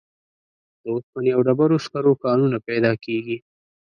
د اوسپنې او ډبرو سکرو کانونه پیدا کیږي.